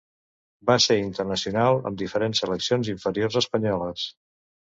Va ser internacional amb diferents seleccions inferiors espanyoles.